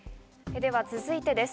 では続いてです。